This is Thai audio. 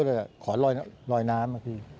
พวกเขาเขารอยน้ำนะพี่